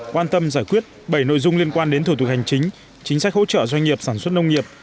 quan tâm giải quyết bảy nội dung liên quan đến thủ tục hành chính chính sách hỗ trợ doanh nghiệp sản xuất nông nghiệp